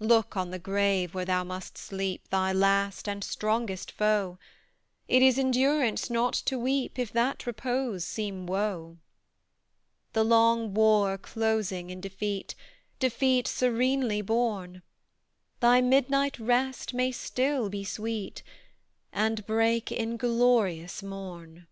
"Look on the grave where thou must sleep Thy last, and strongest foe; It is endurance not to weep, If that repose seem woe. "The long war closing in defeat Defeat serenely borne, Thy midnight rest may still be sweet, And break in glorious morn!"